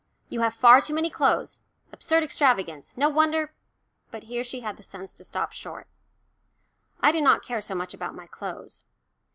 You have far too many clothes absurd extravagance no wonder " but here she had the sense to stop short. I did not care so much about my clothes.